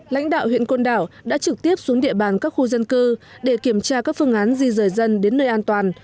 lãnh đạo huyện côn đảo đã trực tiếp xuống địa bàn các khu dân cư để kiểm tra các phương án di rời dân đến nơi an toàn